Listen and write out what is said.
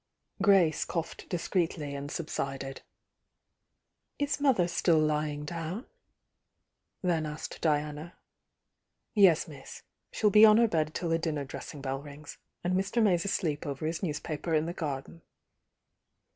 Grace coughed discreetly and subsided. "Is mother still lying down?" then asked Diana. Yes, miss. She'll be on her bed tiU the dinner dressmg bell rings. And Mr. May's asleep over his newspaper in the garden."